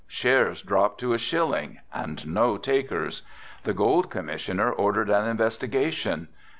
Shares dropped to a shilling and no takers. The gold Commissioner ordered an investigation.